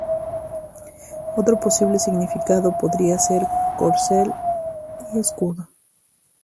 Otro posible significado podría ser 'corcel y escudo'.